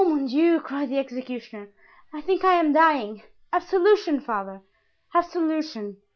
"Oh, mon Dieu!" cried the executioner, "I think I am dying. Absolution, father! absolution."